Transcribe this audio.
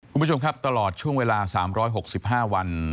คุณผู้ชมครับตลอดช่วงเวลา๓๖๕วัน